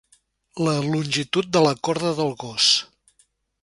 La longitud de la corda del gos.